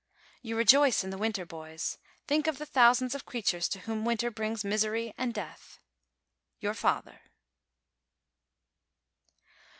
You rejoice in the winter, boys. Think of the thousands of creatures to whom winter brings misery and death. YOUR FATHER.